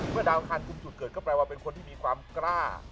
ดาวอังคารกลุ่มจุดเกิดก็แปลว่าเป็นคนที่มีความกล้า